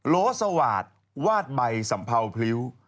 โลสวาดวาดใบสัมพาวพริว